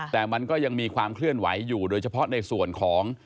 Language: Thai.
แต่มันก็ยังมีความเคลื่อนไหวอยู่โดยเฉพาะในส่วนของ